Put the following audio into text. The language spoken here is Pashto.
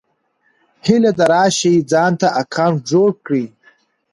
هيله ده راشٸ ځانته اکونټ جوړ کړى